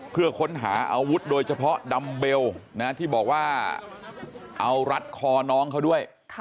เพื่อค้นหาอาวุธโดยเฉพาะดัมเบลที่บอกว่าเอารัดคอน้องเขาด้วย